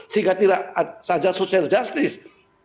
sehingga tidak saja social justice